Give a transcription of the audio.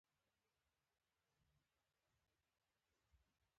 مطالعه د انسان فکر او پوهه زیاتوي.